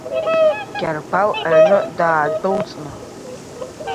Гьаргәал аҩны даадәылҵны.